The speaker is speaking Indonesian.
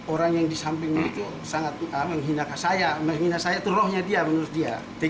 orang yang di sampingnya itu sangat menghina saya menghina saya itu rohnya dia menurut dia